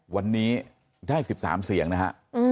วันนี้ได้๑๓เสียงนะฮะ